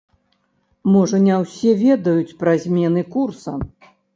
Можа не ўсе ведаюць пра змены курса.